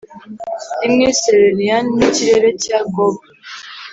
rimwe, cerulean nk'ikirere cya gogh,